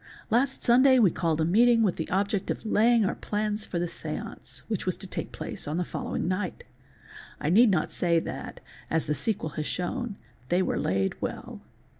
'"'Tiast Sunday we called a meeting with the object of laying our plans for the séance, which was to take place on the following night. I need not say that, as the sequel has shown, they were laid well.